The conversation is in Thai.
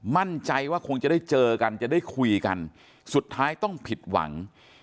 มั่นใจว่าคงจะได้เจอกันจะได้คุยกันสุดท้ายต้องผิดหวัง